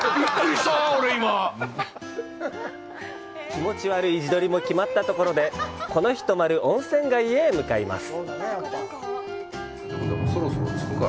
気持ち悪い自撮りも決まったところで、この日泊まる温泉街へ向かいます。